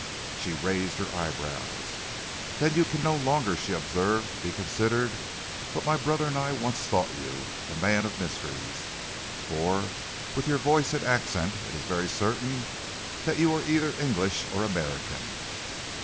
She raised her eyebrows. "Then you can no longer," she observed, "be considered what my brother and I once thought you a man of mysteries for with your voice and accent it is very certain that you are either English or American."